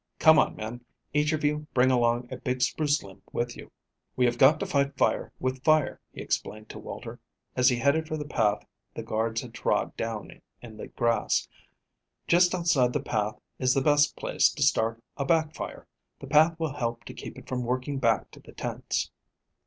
Come on, men. Each of you bring along a big spruce limb with you." "We have got to fight fire with fire," he explained to Walter, as he headed for the path the guards had trod down in the grass. "Just outside the path is the best place to start a back fire. The path will help to keep it from working back on the tents."